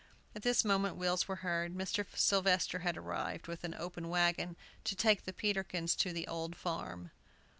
At this moment wheels were heard. Mr. Sylvester had arrived, with an open wagon, to take the Peterkins to the "Old Farm."